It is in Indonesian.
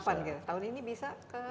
kapan tahu ini bisa